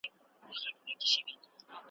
بیا پر خیالي کوثر جامونه ښيي .